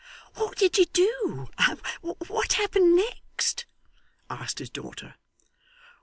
'What did you do what happened next?' asked his daughter.